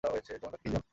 তোমরা কি তিনজন?